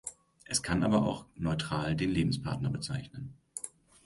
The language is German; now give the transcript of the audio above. Es kann aber auch neutral den Lebenspartner bezeichnen.